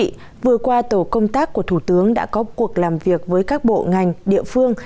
thưa quý vị vừa qua tổ công tác của thủ tướng đã có cuộc làm việc với các bộ ngành địa phương